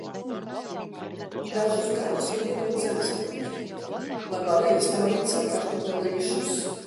Dažus gadus man iedod zemes pleķīti, lai varu iestādīt sev kartupelīšus.